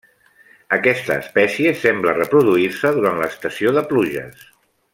Aquesta espècie sembla reproduir-se durant l'estació de pluges.